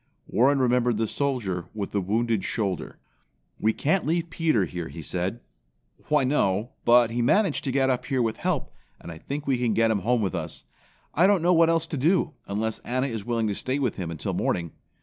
Warren remembered the soldier with the wounded shoulder. "We can't leave Peter here," he said. "Why no, but he managed to get up here with help, and I think we can get him home with us. I don't know what else to do, unless Anna is willing to stay with him until morning."